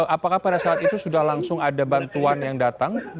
apakah pada saat itu sudah langsung ada bantuan yang datang